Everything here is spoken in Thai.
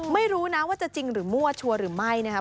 ไม่รู้นะว่าจะจริงหรือมั่วชัวร์หรือไม่นะครับ